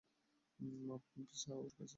মাফ চা ওর কাছে।